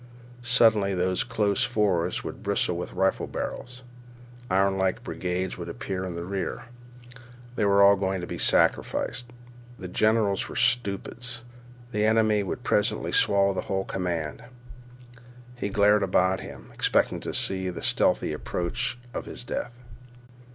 Suddenly those close forests would bristle with rifle barrels. Ironlike brigades would appear in the rear. They were all going to be sacrificed. The generals were stupids. The enemy would presently swallow the whole command. He glared about him, expecting to see the stealthy approach of his death.